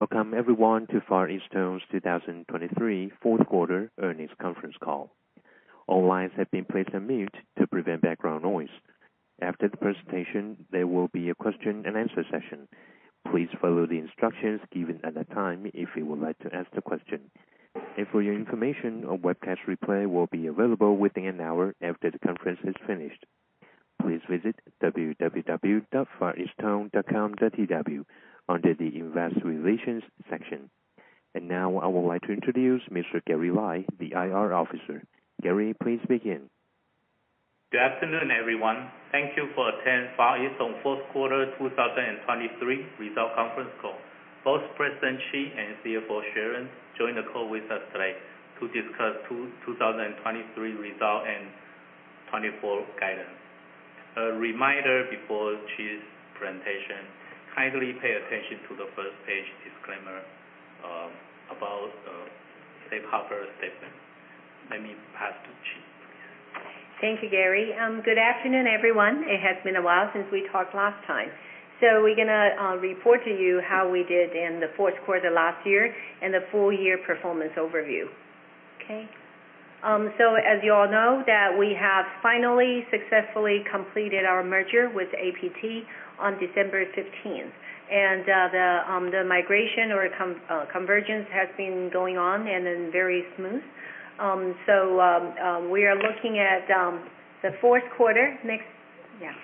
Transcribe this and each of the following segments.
Welcome everyone to Far EasTone's 2023 fourth quarter earnings conference call. All lines have been placed on mute to prevent background noise. After the presentation, there will be a question-and-answer session. Please follow the instructions given at that time if you would like to ask a question. For your information, a webcast replay will be available within an hour after the conference is finished. Please visit www.fareastone.com.tw under the Investor Relations section. Now I would like to introduce Mr. Gary Lai, the IR Officer. Gary, please begin. Good afternoon, everyone. Thank you for attending Far EasTone fourth quarter 2023 results conference call. Both President Chee and CFO Sharon joined the call with us today to discuss 2023 results and 2024 guidance. A reminder before Chee's presentation, kindly pay attention to the first page disclaimer about Safe Harbor Statement. Let me pass to Chee, please. Thank you, Gary. Good afternoon, everyone. It has been a while since we talked last time. So we're going to report to you how we did in the fourth quarter last year and the full-year performance overview. Okay? So as you all know, we have finally successfully completed our merger with APT on December 15th. And the migration or convergence has been going on and then very smooth. So we are looking at the fourth quarter next year.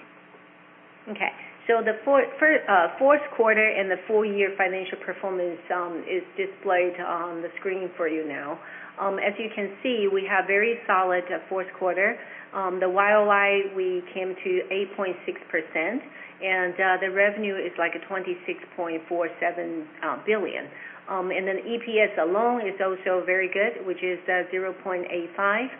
Okay. So the fourth quarter and the full-year financial performance is displayed on the screen for you now. As you can see, we have very solid fourth quarter. The YoY, we came to 8.6%. And the revenue is like 26.47 billion. And then EPS alone is also very good, which is 0.85.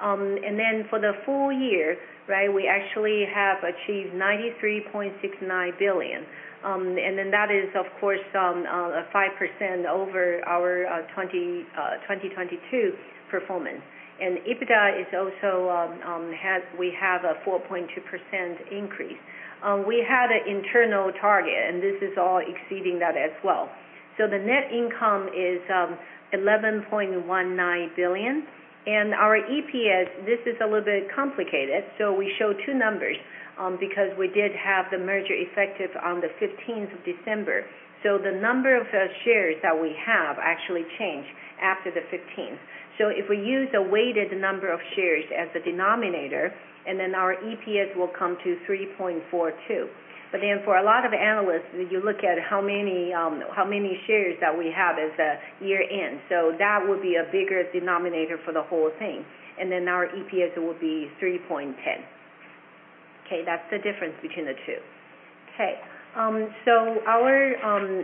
And then for the full year, right, we actually have achieved 93.69 billion. That is, of course, 5% over our 2022 performance. EBITDA is also we have a 4.2% increase. We had an internal target, and this is all exceeding that as well. The net income is 11.19 billion. Our EPS, this is a little bit complicated. We show two numbers because we did have the merger effective on the 15th of December. The number of shares that we have actually changed after the 15th. If we use a weighted number of shares as the denominator, and then our EPS will come to 3.42. But then for a lot of analysts, you look at how many shares that we have as a year-end. That would be a bigger denominator for the whole thing. Then our EPS would be 3.10. Okay? That's the difference between the two. Okay. So our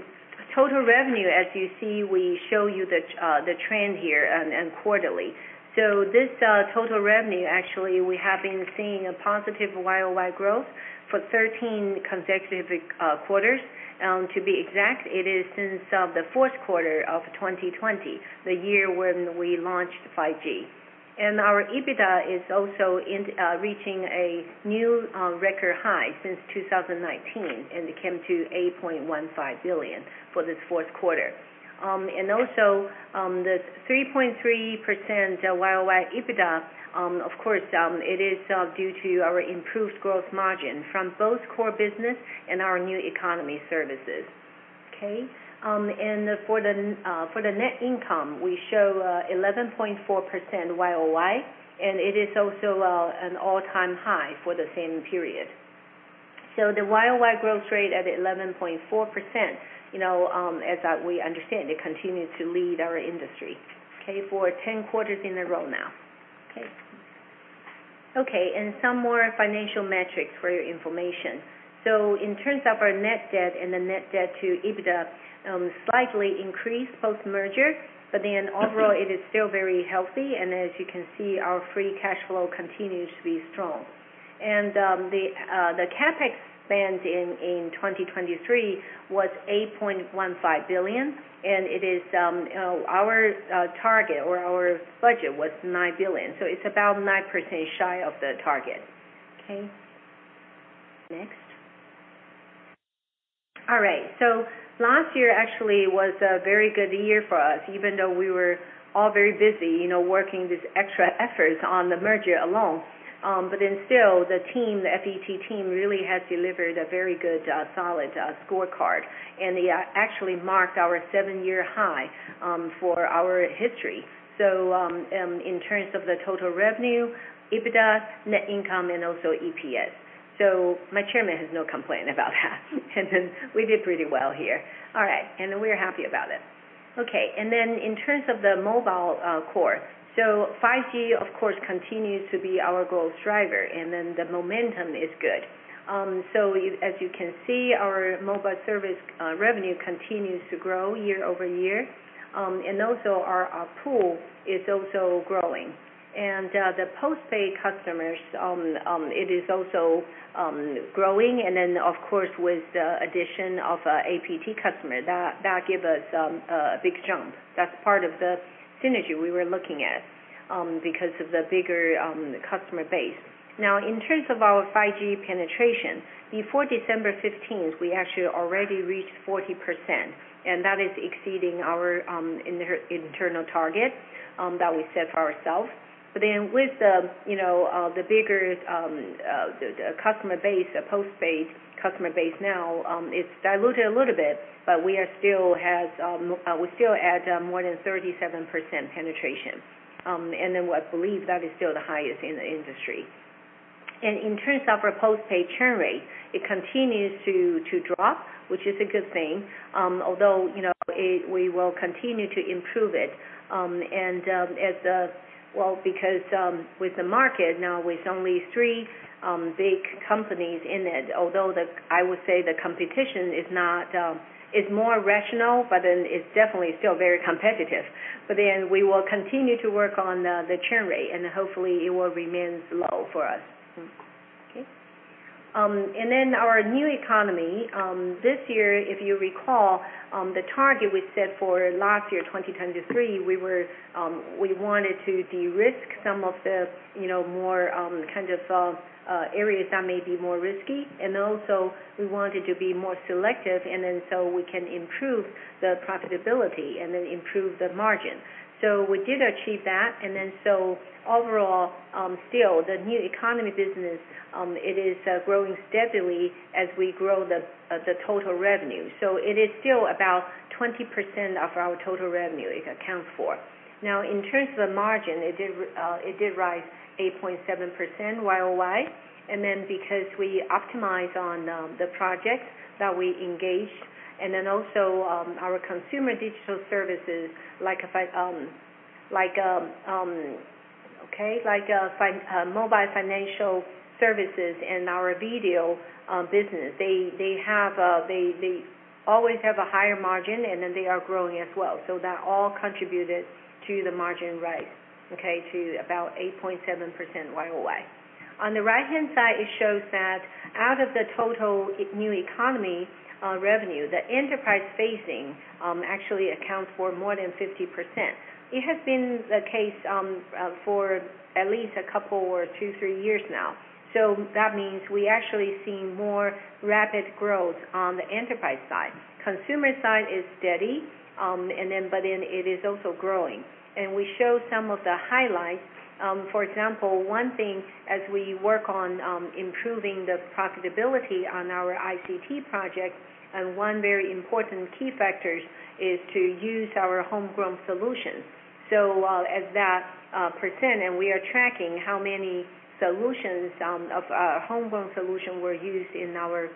total revenue, as you see, we show you the trend here and quarterly. So this total revenue, actually, we have been seeing a positive YoY growth for 13 consecutive quarters. To be exact, it is since the fourth quarter of 2020, the year when we launched 5G. And our EBITDA is also reaching a new record high since 2019, and it came to 8.15 billion for this fourth quarter. And also the 3.3% YoY EBITDA, of course, it is due to our improved gross margin from both core business and our new economy services. Okay? And for the net income, we show 11.4% YoY, and it is also an all-time high for the same period. So the YoY growth rate at 11.4%, as we understand, it continues to lead our industry, okay, for 10 quarters in a row now. Okay? Okay. Some more financial metrics for your information. In terms of our net debt and the net debt to EBITDA, slightly increased post-merger. Overall, it is still very healthy. As you can see, our free cash flow continues to be strong. The CapEx spend in 2023 was 8.15 billion. Our target or our budget was 9 billion. It's about 9% shy of the target. Okay? Next. All right. Last year, actually, was a very good year for us, even though we were all very busy working this extra effort on the merger alone. Still, the team, the FET team, really has delivered a very good, solid scorecard. They actually marked our seven-year high for our history. In terms of the total revenue, EBITDA, net income, and also EPS, my chairman has no complaint about that. And then we did pretty well here. All right. And then we're happy about it. Okay. And then in terms of the mobile core, so 5G, of course, continues to be our growth driver. And then the momentum is good. So as you can see, our mobile service revenue continues to grow year-over-year. And also our pool is also growing. And the postpaid customers, it is also growing. And then, of course, with the addition of APT customers, that gave us a big jump. That's part of the synergy we were looking at because of the bigger customer base. Now, in terms of our 5G penetration, before December 15th, we actually already reached 40%. And that is exceeding our internal target that we set for ourselves. But then with the bigger customer base, the postpaid customer base now, it's diluted a little bit, but we still add more than 37% penetration. And then I believe that is still the highest in the industry. And in terms of our postpaid churn rate, it continues to drop, which is a good thing, although we will continue to improve it. And as well, because with the market now, with only three big companies in it, although I would say the competition is more rational, but then it's definitely still very competitive. But then we will continue to work on the churn rate, and hopefully, it will remain low for us. Okay? And then our new economy this year, if you recall, the target we set for last year, 2023, we wanted to de-risk some of the more kind of areas that may be more risky. Also we wanted to be more selective, and then so we can improve the profitability and then improve the margin. So we did achieve that. And then so overall, still, the new economy business, it is growing steadily as we grow the total revenue. So it is still about 20% of our total revenue it accounts for. Now, in terms of the margin, it did rise 8.7% YoY. And then because we optimize on the projects that we engage, and then also our consumer digital services, like, okay? Like mobile financial services and our video business, they always have a higher margin, and then they are growing as well. So that all contributed to the margin rise, okay, to about 8.7% YoY. On the right-hand side, it shows that out of the total new economy revenue, the enterprise facing actually accounts for more than 50%. It has been the case for at least a couple or two, three years now. So that means we actually see more rapid growth on the enterprise side. Consumer side is steady, but then it is also growing. And we show some of the highlights. For example, one thing, as we work on improving the profitability on our ICT project, and one very important key factor is to use our homegrown solutions. So as that percent and we are tracking how many solutions of our homegrown solution were used in our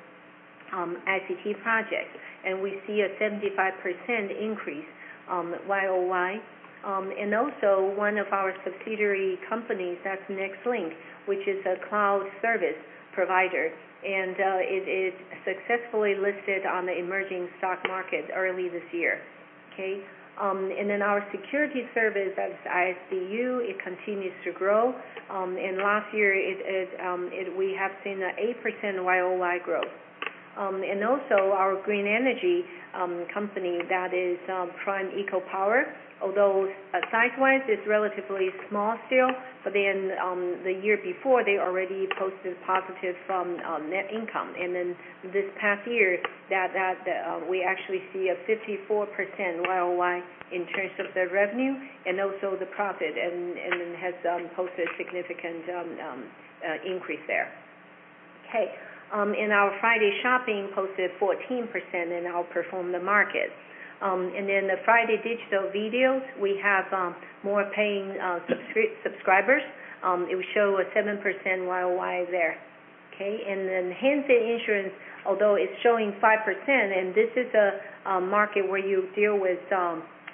ICT project. And we see a 75% increase YoY. And also one of our subsidiary companies, that's Nextlink, which is a cloud service provider. And it is successfully listed on the emerging stock market early this year. Okay? And then our security service, that's ISSDU, it continues to grow. And last year, we have seen an 8% YoY growth. And also our green energy company that is Prime EcoPower, although size-wise, it's relatively small still. But then the year before, they already posted positive net income. And then this past year, we actually see a 54% YoY in terms of the revenue and also the profit, and then has posted significant increase there. Okay? And our friDay Shopping posted 14% outperform the market. And then the friDay Video, we have more paying subscribers. It will show a 7% YoY there. Okay? And then handset insurance, although it's showing 5%, and this is a market where you deal with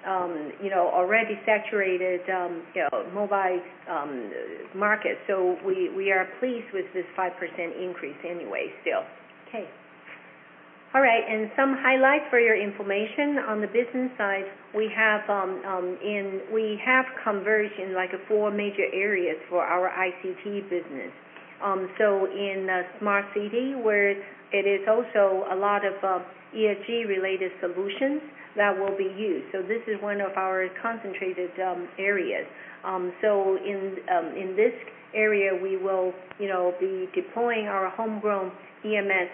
already saturated mobile markets. So we are pleased with this 5% increase anyway still. Okay? All right. And some highlights for your information. On the business side, we have four major areas for our ICT business. So in Smart City, where it is also a lot of ESG-related solutions that will be used. So this is one of our concentrated areas. So in this area, we will be deploying our homegrown EMS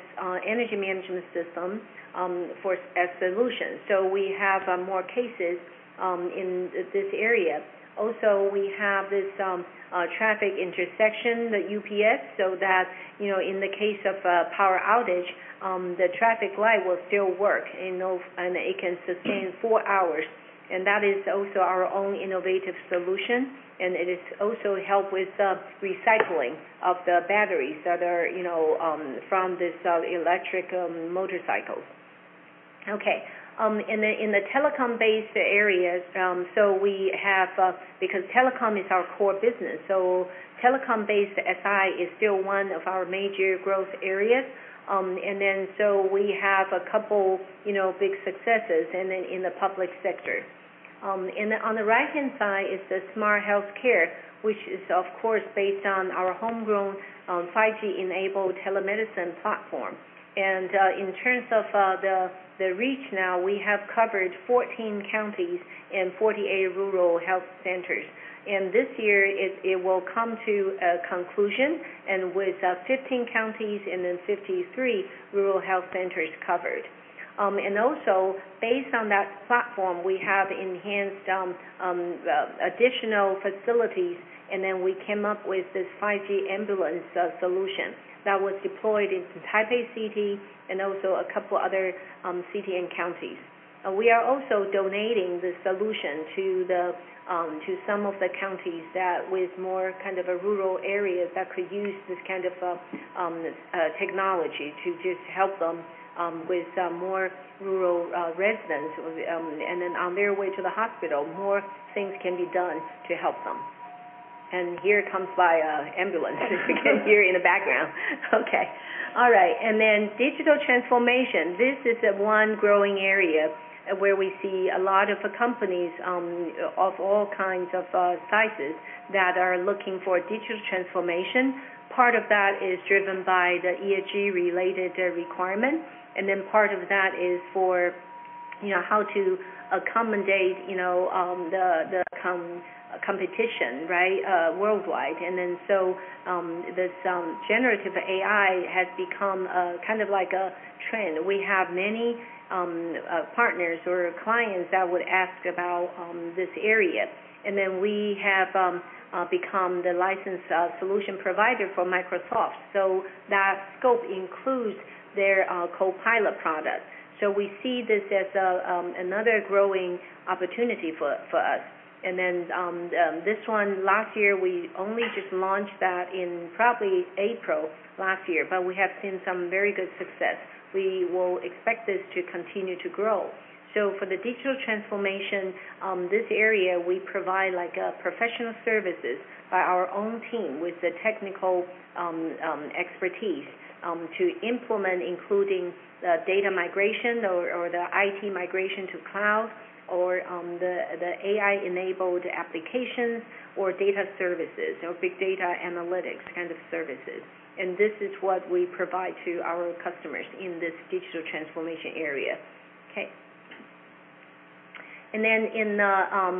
energy management system as solutions. So we have more cases in this area. Also, we have this traffic intersection, the UPS, so that in the case of a power outage, the traffic light will still work, and it can sustain four hours. And that is also our own innovative solution. And it is also help with recycling of the batteries that are from these electric motorcycles. Okay? And then in the telecom-based areas, so we have because telecom is our core business. So telecom-based SI is still one of our major growth areas. And then so we have a couple big successes and then in the public sector. And then on the right-hand side is the Smart Healthcare, which is, of course, based on our homegrown 5G-enabled telemedicine platform. And in terms of the reach now, we have covered 14 counties and 48 rural health centers. And this year, it will come to a conclusion with 15 counties and then 53 rural health centers covered. And also based on that platform, we have enhanced additional facilities, and then we came up with this 5G ambulance solution that was deployed in Taipei City and also a couple other cities and counties. We are also donating the solution to some of the counties that with more kind of a rural area that could use this kind of technology to just help them with more rural residents. And then on their way to the hospital, more things can be done to help them. And here comes the ambulance, as you can hear in the background. Okay. All right. Digital transformation, this is one growing area where we see a lot of companies of all kinds of sizes that are looking for digital transformation. Part of that is driven by the ESG-related requirement. Part of that is for how to accommodate the competition, right, worldwide. So this generative AI has become kind of like a trend. We have many partners or clients that would ask about this area. We have become the licensed solution provider for Microsoft. So that scope includes their Copilot product. So we see this as another growing opportunity for us. This one, last year, we only just launched that in probably April last year, but we have seen some very good success. We will expect this to continue to grow. So for the digital transformation, this area, we provide professional services by our own team with the technical expertise to implement, including the data migration or the IT migration to cloud or the AI-enabled applications or data services or big data analytics kind of services. And this is what we provide to our customers in this digital transformation area. Okay? And then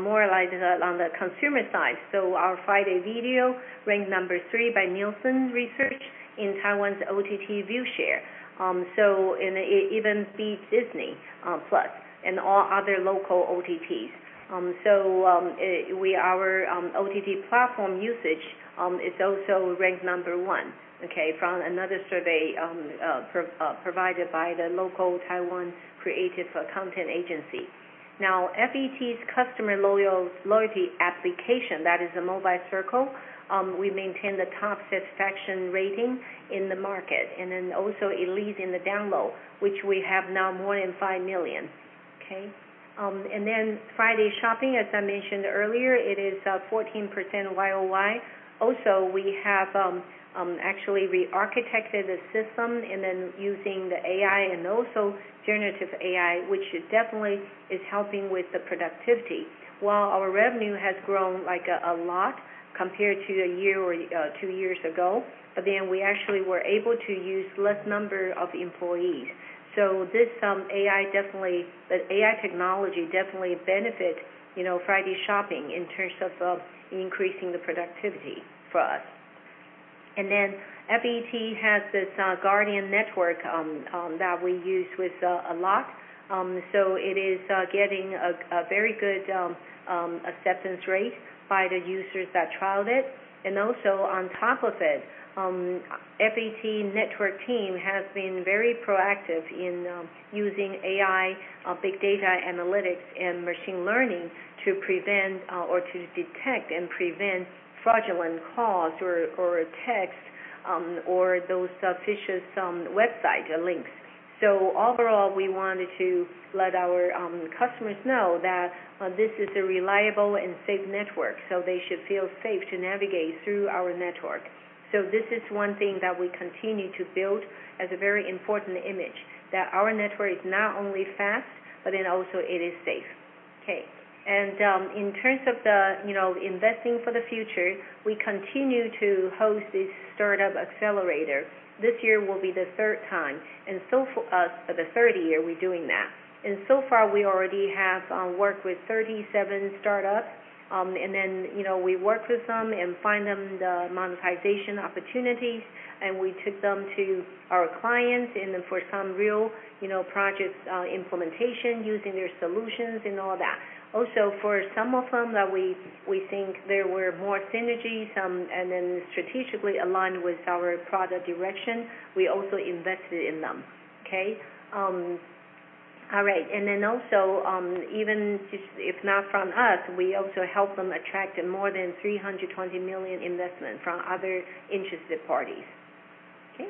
more on the consumer side, so our friDay Video ranked number three by Nielsen Research in Taiwan's OTT view share. So it even beat Disney+ and all other local OTTs. So our OTT platform usage is also ranked number one, okay, from another survey provided by the local Taiwan Creative Content Agency. Now, FET's customer loyalty application, that is Mobile Circle, we maintain the top satisfaction rating in the market. And then also it leads in the download, which we have now more than 5 million. Okay? And then friDay Shopping, as I mentioned earlier, it is 14% YoY. Also, we have actually re-architected the system and then using the AI and also generative AI, which definitely is helping with the productivity. While our revenue has grown a lot compared to a year or two years ago, but then we actually were able to use less number of employees. So this AI technology definitely benefits friDay Shopping in terms of increasing the productivity for us. And then FET has this Guardian Network that we use a lot. So it is getting a very good acceptance rate by the users that trialed it. And also on top of it, FET network team has been very proactive in using AI, big data analytics, and machine learning to prevent or to detect and prevent fraudulent calls or attacks or those suspicious website links. So overall, we wanted to let our customers know that this is a reliable and safe network, so they should feel safe to navigate through our network. So this is one thing that we continue to build as a very important image, that our network is not only fast, but then also it is safe. Okay? And in terms of the investing for the future, we continue to host this startup accelerator. This year will be the third time, and so for us, for the third year, we're doing that. And so far, we already have worked with 37 startups. And then we work with them and find them the monetization opportunities, and we took them to our clients and then for some real project implementation using their solutions and all that. Also, for some of them that we think there were more synergies, and then strategically aligned with our product direction, we also invested in them. Okay? All right. And then also, even if not from us, we also help them attract more than 320 million investment from other interested parties. Okay?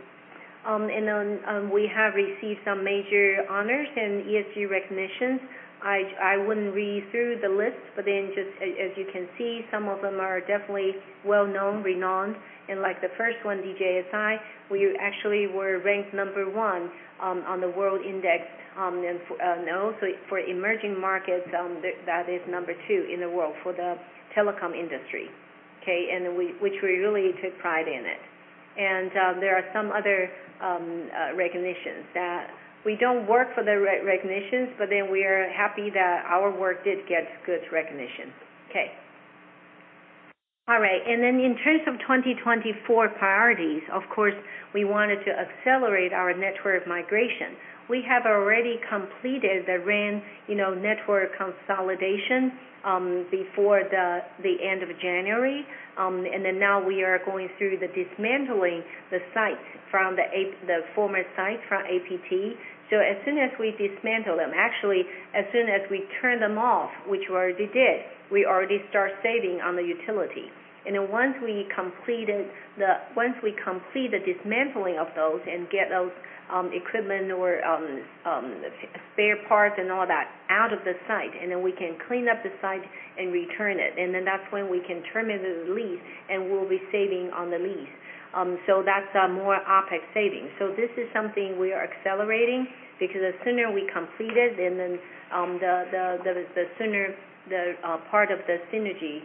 And then we have received some major honors and ESG recognitions. I wouldn't read through the list, but then just as you can see, some of them are definitely well-known, renowned. And like the first one, DJSI, we actually were ranked number one on the world index. And also for emerging markets, that is number two in the world for the telecom industry, okay, which we really took pride in it. And there are some other recognitions that we don't work for the recognitions, but then we are happy that our work did get good recognition. Okay? All right. Then in terms of 2024 priorities, of course, we wanted to accelerate our network migration. We have already completed the RAN network consolidation before the end of January. And then now we are going through the dismantling of the sites from the former sites from APT. So as soon as we dismantle them, actually, as soon as we turn them off, which we already did, we already start saving on the utility. And then once we complete the once we complete the dismantling of those and get those equipment or spare parts and all that out of the site, and then we can clean up the site and return it. And then that's when we can terminate the lease, and we'll be saving on the lease. So that's more OpEx savings. So this is something we are accelerating because the sooner we complete it, and then the sooner the part of the synergy,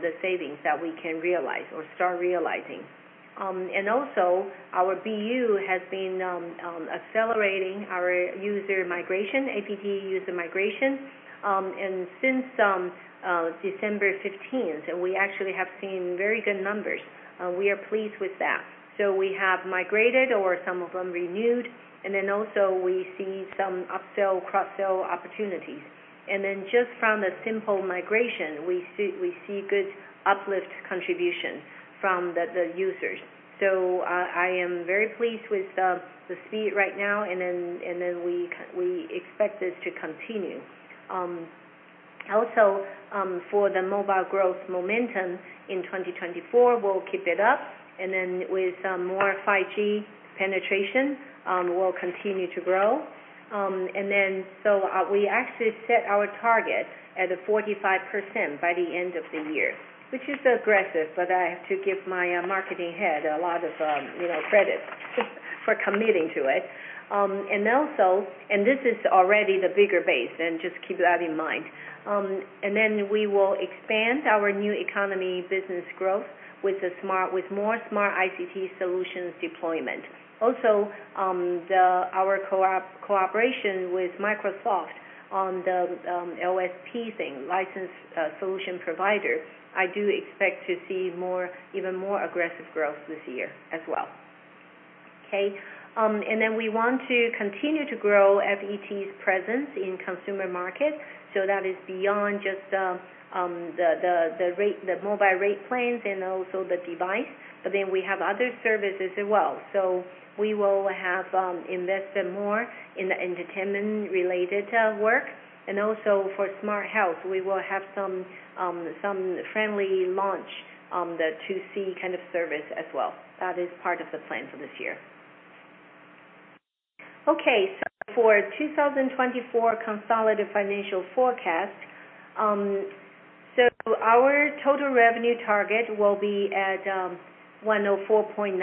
the savings that we can realize or start realizing. And also, our BU has been accelerating our user migration, APT user migration. And since December 15th, and we actually have seen very good numbers, we are pleased with that. So we have migrated or some of them renewed. And then also, we see some upsell, cross-sell opportunities. And then just from the simple migration, we see good uplift contribution from the users. So I am very pleased with the speed right now, and then we expect this to continue. Also, for the mobile growth momentum in 2024, we'll keep it up. And then with more 5G penetration, we'll continue to grow. We actually set our target at 45% by the end of the year, which is aggressive, but I have to give my marketing head a lot of credit for committing to it. And this is already the bigger base, and just keep that in mind. And then we will expand our new economy business growth with more smart ICT solutions deployment. Also, our cooperation with Microsoft on the LSP thing, licensed solution provider, I do expect to see even more aggressive growth this year as well. Okay? And then we want to continue to grow FET's presence in consumer markets. So that is beyond just the mobile rate plans and also the device. But then we have other services as well. So we will have invested more in the entertainment-related work. And also for Smart Health, we will have some friendly launch on the 2C kind of service as well. That is part of the plan for this year. Okay. So for 2024 consolidated financial forecast, so our total revenue target will be at 104.92 billion,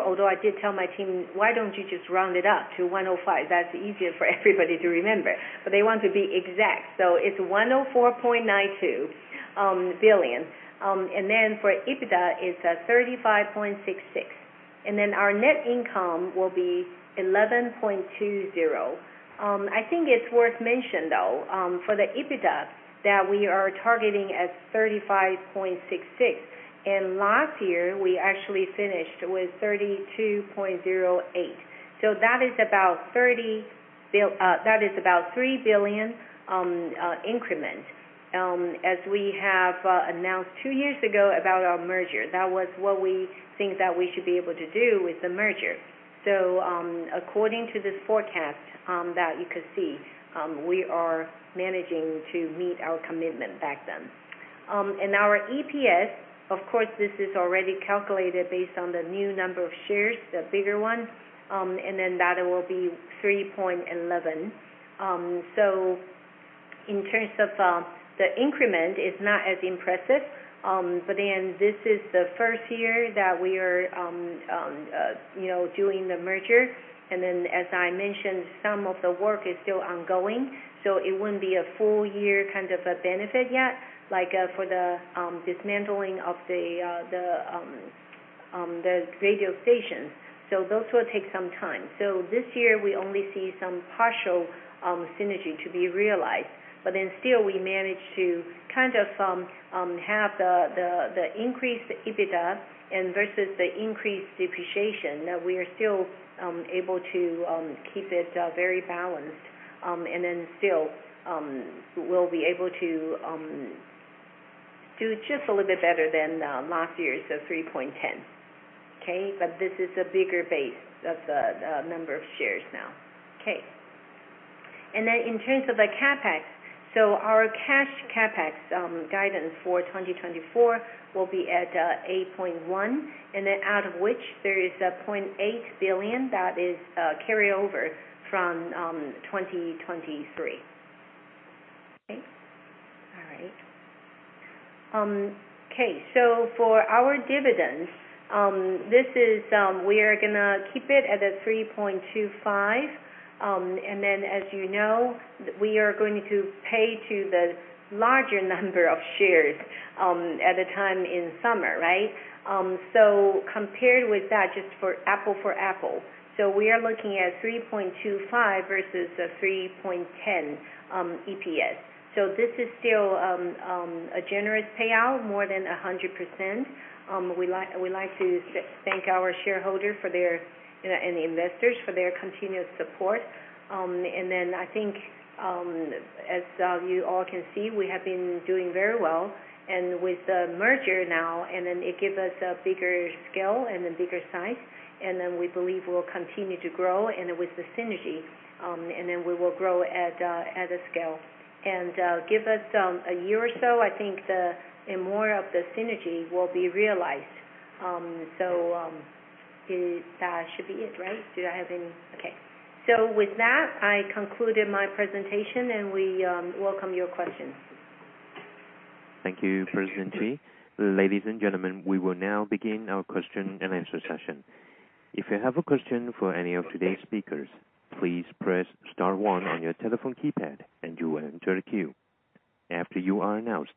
although I did tell my team, "Why don't you just round it up to 105? That's easier for everybody to remember." But they want to be exact. So it's 104.92 billion. And then for EBITDA, it's 35.66 billion. And then our net income will be 11.20 billion. I think it's worth mentioning, though, for the EBITDA that we are targeting at 35.66 billion. And last year, we actually finished with 32.08 billion. So that is about 3 billion increment as we have announced two years ago about our merger. That was what we think that we should be able to do with the merger. So according to this forecast that you could see, we are managing to meet our commitment back then. And our EPS, of course, this is already calculated based on the new number of shares, the bigger one. And then that will be 3.11. So in terms of the increment, it's not as impressive. But then this is the first year that we are doing the merger. And then as I mentioned, some of the work is still ongoing. So it wouldn't be a full-year kind of a benefit yet for the dismantling of the radio stations. So those will take some time. So this year, we only see some partial synergy to be realized. But then still, we managed to kind of have the increased EBITDA versus the increased depreciation that we are still able to keep it very balanced. And then still, we'll be able to do just a little bit better than last year's 3.10. Okay? But this is a bigger base of the number of shares now. Okay? And then in terms of the CapEx, so our cash CapEx guidance for 2024 will be at 8.1 billion, and then out of which there is 0.8 billion that is carryover from 2023. Okay? All right. Okay. So for our dividends, we are going to keep it at 3.25. And then as you know, we are going to pay to the larger number of shares at a time in summer, right? So compared with that, just for apples-to-apples, so we are looking at 3.25 versus 3.10 EPS. So this is still a generous payout, more than 100%. We like to thank our shareholders and investors for their continuous support. And then I think, as you all can see, we have been doing very well. With the merger now, and then it gives us a bigger scale and a bigger size. And then we believe we'll continue to grow. And then with the synergy, and then we will grow at a scale. And give us a year or so, I think, and more of the synergy will be realized. So that should be it, right? Do I have any? Okay. So with that, I concluded my presentation, and we welcome your questions. Thank you, President Chee. Ladies and gentlemen, we will now begin our question-and-answer session. If you have a question for any of today's speakers, please press star one on your telephone keypad, and you will enter the queue. After you are announced,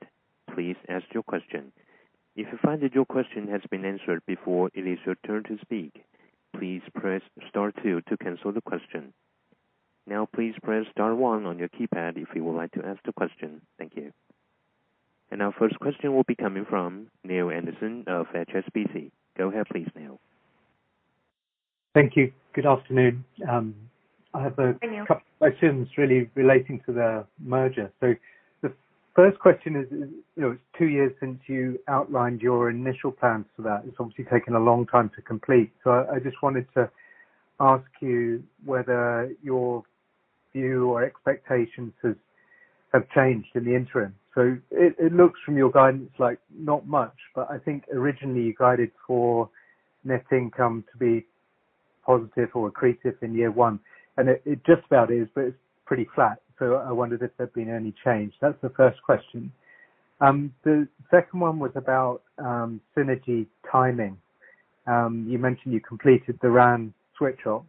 please ask your question. If you find that your question has been answered before it is your turn to speak, please press star two to cancel the question. Now, please press star one on your keypad if you would like to ask the question. Thank you. And our first question will be coming from Neale Anderson of HSBC. Go ahead, please, Neale. Thank you. Good afternoon. I have a couple of questions really relating to the merger. So the first question is, it's two years since you outlined your initial plans for that. It's obviously taken a long time to complete. So I just wanted to ask you whether your view or expectations have changed in the interim. So it looks from your guidance like not much, but I think originally, you guided for net income to be positive or accretive in year one. And it just about is, but it's pretty flat. So I wondered if there'd been any change. That's the first question. The second one was about synergy timing. You mentioned you completed the RAN switch-off,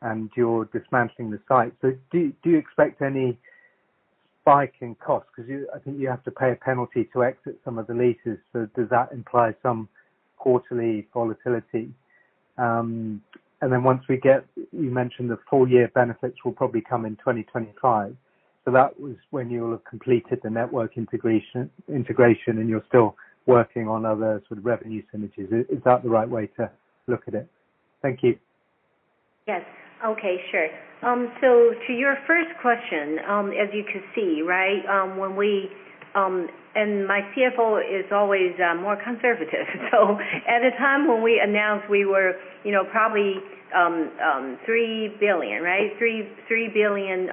and you're dismantling the site. So do you expect any spike in costs? Because I think you have to pay a penalty to exit some of the leases. Does that imply some quarterly volatility? Then once we get you mentioned the full-year benefits will probably come in 2025. That was when you will have completed the network integration, and you're still working on other sort of revenue synergies. Is that the right way to look at it? Thank you. Yes. Okay. Sure. So to your first question, as you can see, right, when we and my CFO is always more conservative. So at the time when we announced, we were probably 3 billion, right? 3 billion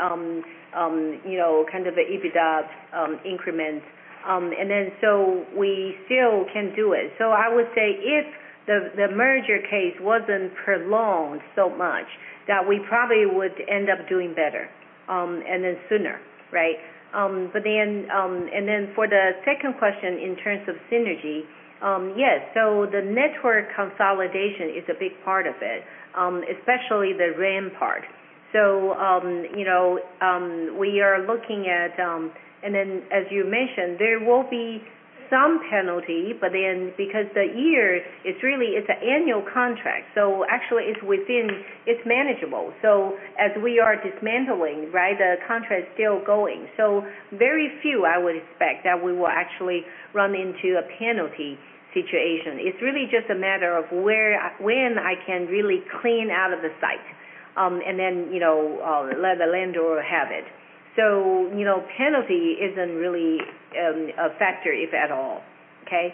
kind of an EBITDA increment. And then so we still can do it. So I would say if the merger case wasn't prolonged so much that we probably would end up doing better and then sooner, right? And then for the second question, in terms of synergy, yes. So the network consolidation is a big part of it, especially the RAN part. So we are looking at and then as you mentioned, there will be some penalty. But then because the year, it's really it's an annual contract. So actually, it's manageable. So as we are dismantling, right, the contract's still going. So very few, I would expect, that we will actually run into a penalty situation. It's really just a matter of when I can really clean out of the site and then let the landlord have it. So penalty isn't really a factor, if at all. Okay?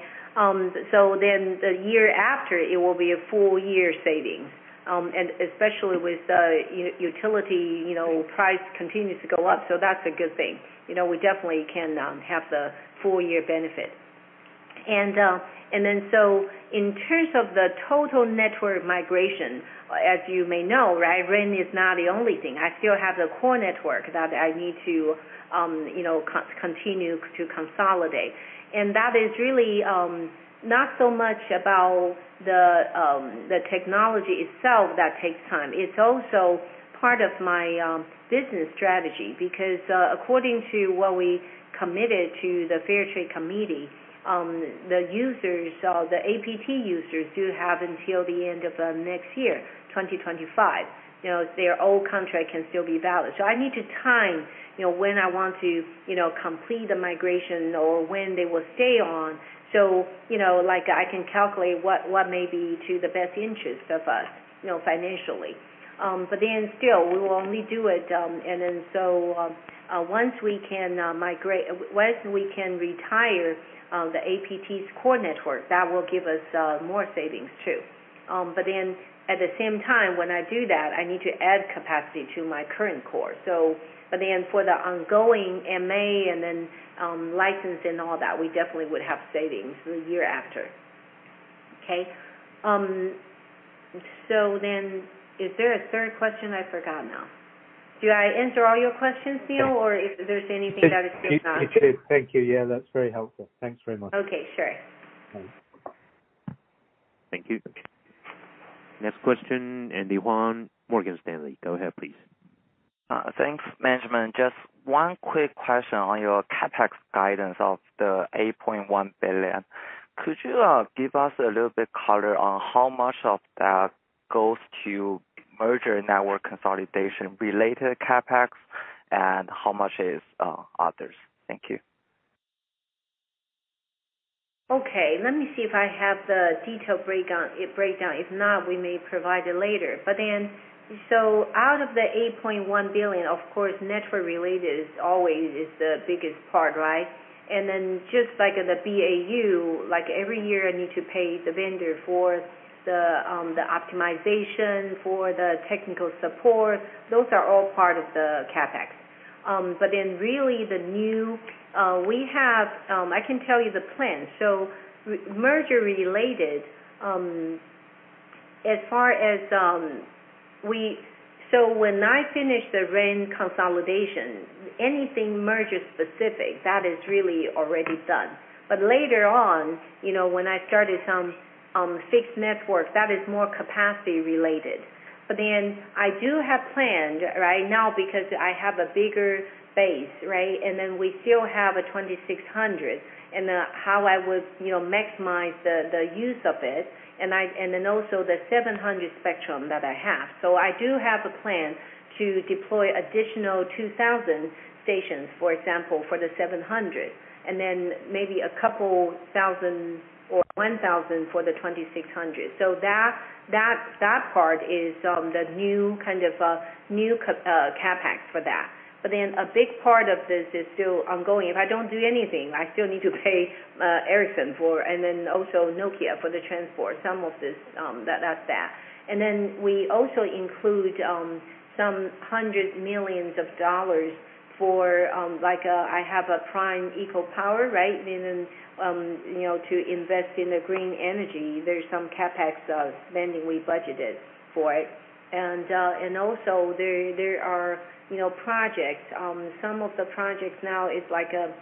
So then the year after, it will be a full-year savings, especially with the utility price continues to go up. So that's a good thing. We definitely can have the full-year benefit. And then so in terms of the total network migration, as you may know, right, RAN is not the only thing. I still have the core network that I need to continue to consolidate. And that is really not so much about the technology itself that takes time. It's also part of my business strategy because according to what we committed to the Fair Trade Committee, the APT users do have until the end of next year, 2025. Their old contract can still be valid. So I need to time when I want to complete the migration or when they will stay on so I can calculate what may be to the best interest of us financially. But then still, we will only do it and then so once we can migrate once we can retire the APT's core network, that will give us more savings too. But then at the same time, when I do that, I need to add capacity to my current core. But then for the ongoing MA and then license and all that, we definitely would have savings the year after. Okay? So then is there a third question? I forgot now. Did I answer all your questions, Neale, or if there's anything that is still not? It did. Thank you. Yeah, that's very helpful. Thanks very much. Okay. Sure. Thank you. Next question, Andy Huan, Morgan Stanley. Go ahead, please. Thanks, management. Just one quick question on your CapEx guidance of 8.1 billion. Could you give us a little bit color on how much of that goes to merger network consolidation-related CapEx and how much is others? Thank you. Okay. Let me see if I have the detailed breakdown. If not, we may provide it later. But then so out of the 8.1 billion, of course, network-related always is the biggest part, right? And then just like the BAU, every year, I need to pay the vendor for the optimization, for the technical support. Those are all part of the CapEx. But then really, the new I can tell you the plans. So merger-related, as far as we so when I finish the RAN consolidation, anything merger-specific, that is really already done. But later on, when I started some fixed network, that is more capacity-related. But then I do have planned, right, now because I have a bigger base, right? And then we still have a 2,600. And then how I would maximize the use of it and then also the 700 spectrum that I have. So I do have a plan to deploy additional 2,000 stations, for example, for the 700 and then maybe a couple thousand or 1,000 for the 2,600. So that part is the new kind of new CapEx for that. But then a big part of this is still ongoing. If I don't do anything, I still need to pay Ericsson and then also Nokia for the transport, some of this. That's that. And then we also include some hundreds of millions of dollars for Prime EcoPower, right? And then to invest in the green energy, there's some CapEx spending we budgeted for it. And also there are projects. Some of the projects now, it's like a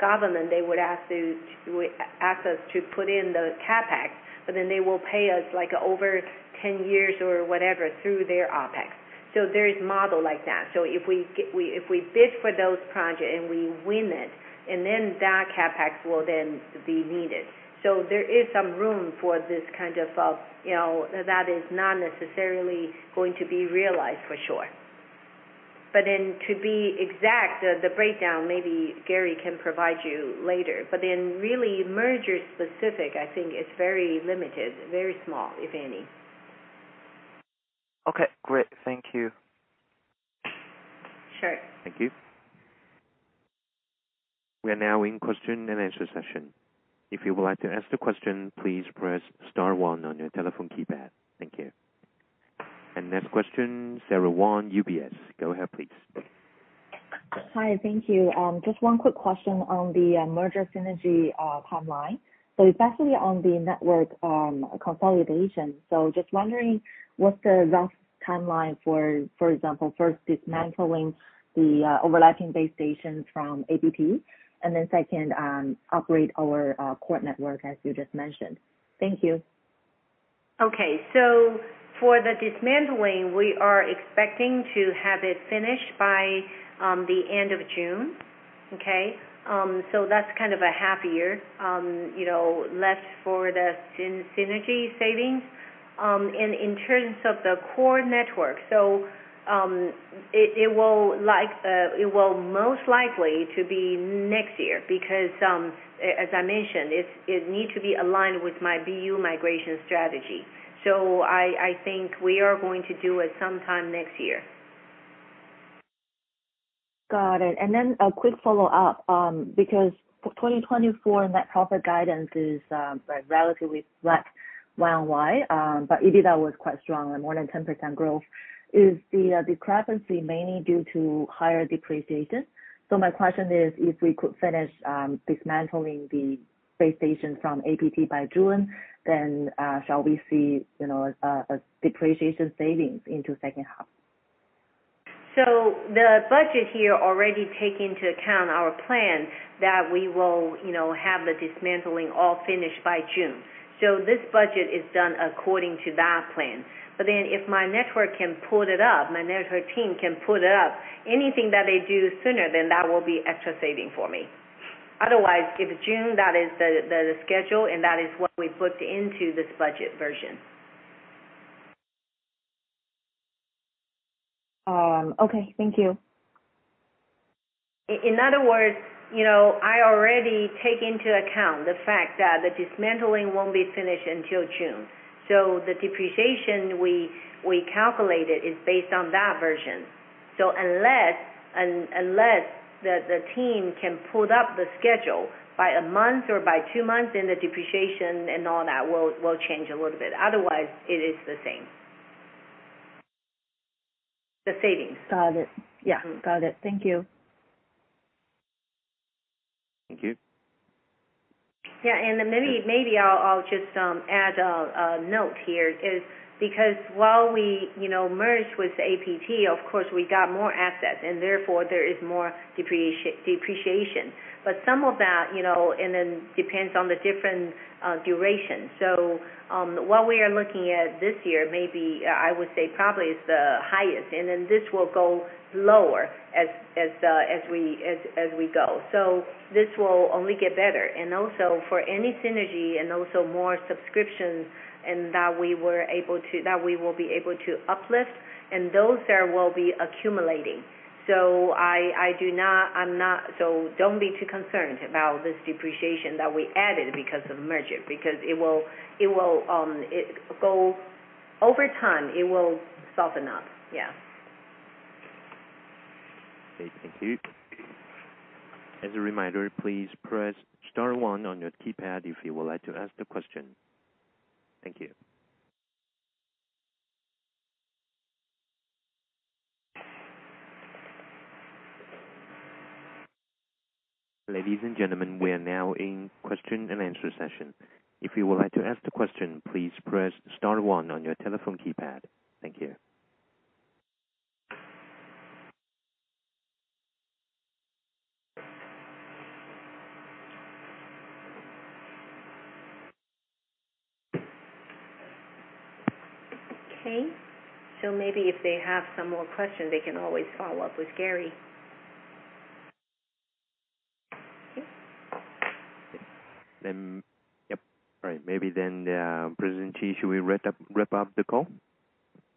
government, they would ask us to put in the CapEx, but then they will pay us over 10 years or whatever through their OpEx. So there is a model like that. So, if we bid for those projects and we win it, and then that CapEx will then be needed. So there is some room for this kind of that is not necessarily going to be realized for sure. But to be exact, the breakdown, maybe Gary can provide you later. But then really, merger-specific, I think it's very limited, very small, if any. Okay. Great. Thank you. Sure. Thank you. We are now in question-and-answer session. If you would like to ask the question, please press star one on your telephone keypad. Thank you. And next question, Sarah Wang, UBS. Go ahead, please. Hi. Thank you. Just one quick question on the merger synergy timeline. So it's actually on the network consolidation. So just wondering, what's the rough timeline for, for example, first, dismantling the overlapping base stations from APT, and then second, upgrade our core network, as you just mentioned? Thank you. Okay. So for the dismantling, we are expecting to have it finished by the end of June. Okay? So that's kind of a half-year left for the synergy savings. And in terms of the core network, so it will most likely be next year because, as I mentioned, it needs to be aligned with my BU migration strategy. So I think we are going to do it sometime next year. Got it. Then a quick follow-up because 2024 net profit guidance is relatively flat YoY, but EBITDA was quite strong, more than 10% growth. Is the discrepancy mainly due to higher depreciation? So my question is, if we could finish dismantling the base station from APT by June, then shall we see a depreciation savings into the second half? The budget here already takes into account our plan that we will have the dismantling all finished by June. This budget is done according to that plan. But then if my network can put it up, my network team can put it up, anything that they do sooner than that will be extra saving for me. Otherwise, it's June. That is the schedule, and that is what we booked into this budget version. Okay. Thank you. In other words, I already take into account the fact that the dismantling won't be finished until June. So the depreciation we calculated is based on that version. So unless the team can put up the schedule by a month or by two months, then the depreciation and all that will change a little bit. Otherwise, it is the same, the savings. Got it. Yeah. Got it. Thank you. Thank you. Yeah. And then maybe I'll just add a note here is because while we merged with APT, of course, we got more assets, and therefore, there is more depreciation. But some of that and then depends on the different duration. So what we are looking at this year, maybe I would say probably is the highest. And then this will go lower as we go. So this will only get better. And also for any synergy and also more subscriptions and that we will be able to uplift, and those there will be accumulating. So I'm not so. Don't be too concerned about this depreciation that we added because of the merger because it will go over time. It will soften up. Yeah. Okay. Thank you. As a reminder, please press star one on your keypad if you would like to ask the question. Thank you. Ladies and gentlemen, we are now in question-and-answer session. If you would like to ask the question, please press star one on your telephone keypad. Thank you. Okay. So maybe if they have some more questions, they can always follow up with Gary. Okay. Yep. All right. Maybe then President Chee Ching, should we wrap up the call?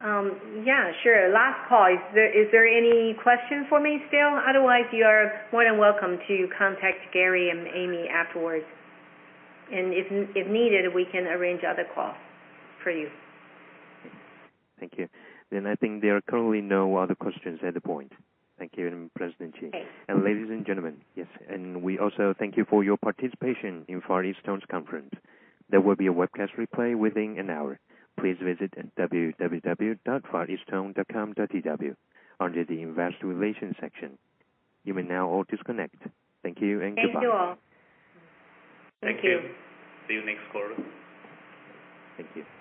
Yeah. Sure. Last call. Is there any question for me still? Otherwise, you are more than welcome to contact Gary and Amy afterwards. If needed, we can arrange other calls for you. Thank you. Then I think there are currently no other questions at the point. Thank you, President Chee. And ladies and gentlemen, yes. And we also thank you for your participation in Far EasTone's conference. There will be a webcast replay within an hour. Please visit www.fareastone.com.tw under the investor relations section. You may now all disconnect. Thank you, and goodbye. Thank you all. Thank you. Thank you. See you next quarter. Thank you.